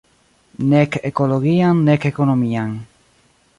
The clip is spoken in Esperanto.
Nek ekologian, nek ekonomian.